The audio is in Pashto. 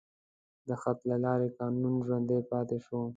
د خط له لارې قانون ژوندی پاتې شو.